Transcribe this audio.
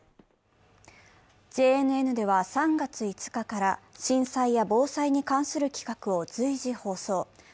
ＪＮＮでは３月５日から震災や防災に関する企画を随時放送。